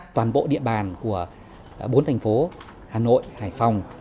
toàn bộ địa bàn của bốn thành phố hà nội hải phòng